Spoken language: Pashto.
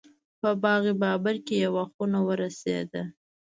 په باغ بابر کې یوه خونه ورسېده.